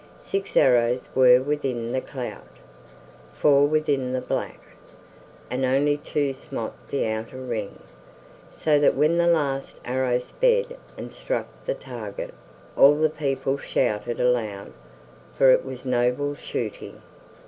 Six arrows were within the clout, four within the black, and only two smote the outer ring; so that when the last arrow sped and struck the target, all the people shouted aloud, for it was noble shooting.